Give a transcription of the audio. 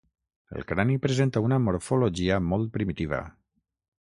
El crani presenta una morfologia molt primitiva.